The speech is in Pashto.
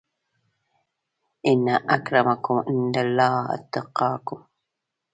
ان اکرمکم عندالله اتقاکم